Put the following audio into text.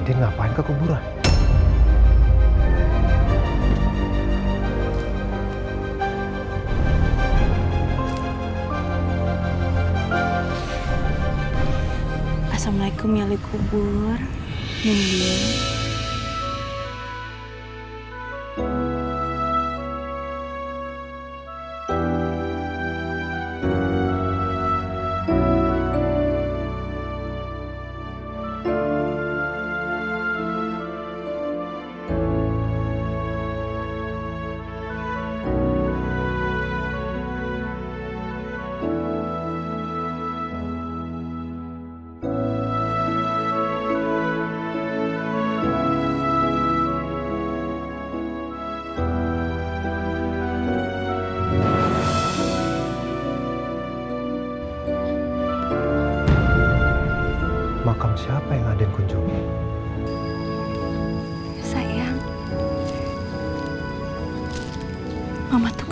tapi aldebari makam siapa ya